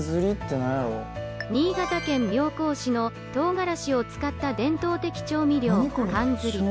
新潟県妙高市のとうがらしを使った伝統的調味料かんずり。